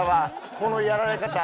このやられ方。